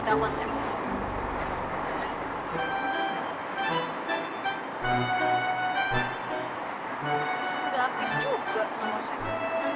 jangan jangan dia jalan sama cewe yang kemarin lagi